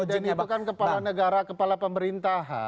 presiden bukan kepala negara kepala pemerintahan